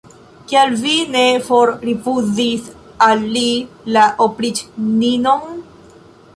Kial vi ne forrifuzis al li la opriĉnino'n?